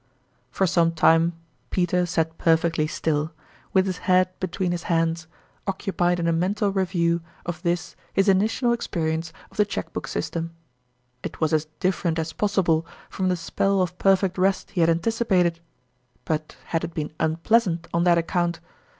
44 For some time Peter sat perfectly still, with his head between his hands, occupied in a men tal review of this his initial experience of the cheque book system. It was as different as possible from the spell of perfect rest he had anticipated; but had it been unpleasant on that account